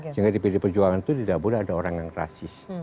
sehingga di pd perjuangan itu tidak boleh ada orang yang rasis